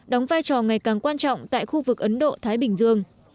đóng vai trò ngày càng quan trọng tại khu vực ấn độ thái bình dương